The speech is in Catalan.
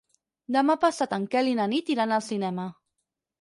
Demà passat en Quel i na Nit iran al cinema.